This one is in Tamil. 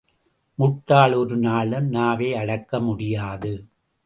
முட்டாள் ஒருநாளும் நாவை அடக்க முடியாது.